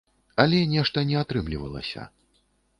Але нешта не атрымлівалася.